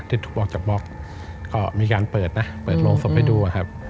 ที่ทึบออกจากคุณบอร์คมีการเปิดโวงศพไปดู